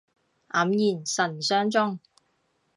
黯然神傷中